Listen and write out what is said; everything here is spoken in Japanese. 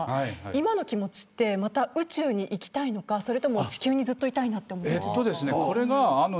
今の気持ちってまた宇宙に行きたいのか地球にずっといたいと思うのか。